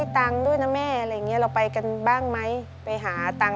ทั้งที่ใจนี้ไม่คิดแย่งเธอมาของ